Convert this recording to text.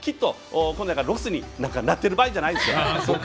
ロスになんかなってる場合じゃないですよ。